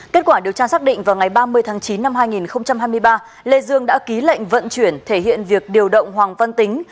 kết quả điều tra xác định vào ngày ba mươi tháng chín năm hai nghìn hai mươi ba lê dương đã ký lệnh vận chuyển thể hiện việc điều động hoàng văn tính